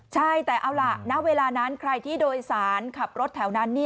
ใช่แต่เอาล่ะณเวลานั้นใครที่โดยสารขับรถแถวนั้น